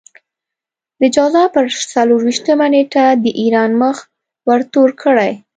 د جوزا پر څلور وېشتمه نېټه د ايران مخ ورتور کړئ.